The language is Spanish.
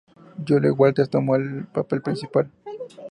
Julie Walters tomó el papel principal.